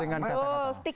oh stigma nya udah terbentuk